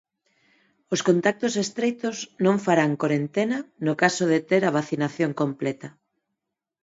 Os contactos estreitos non farán corentena no caso de ter a vacinación completa.